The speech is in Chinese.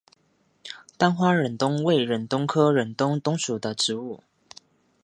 单花忍冬为忍冬科忍冬属的植物。